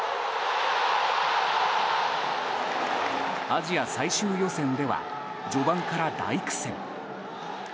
アジア最終予選では序盤から大苦戦。